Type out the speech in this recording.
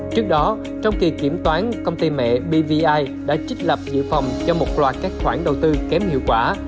trước đó trong kỳ kiểm toán công ty mẹ bvi đã trích lập dự phòng cho một loạt các khoản đầu tư kém hiệu quả